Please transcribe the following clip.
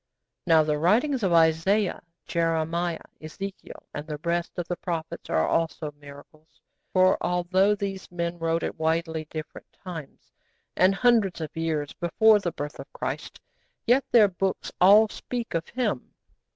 Now the writings of Isaiah, Jeremiah, Ezekiel, and the rest of the prophets are also miracles, for although these men wrote at widely different times, and hundreds of years before the birth of Christ, yet their books all speak of Him.